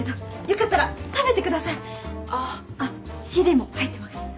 あっＣＤも入ってます。